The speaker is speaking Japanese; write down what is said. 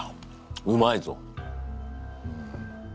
うまいぞ。